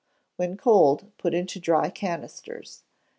When cold put into dry canisters.